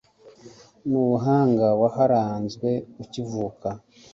n'ubuhanga waharazwe ukivuka